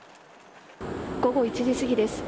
午後１時過ぎです。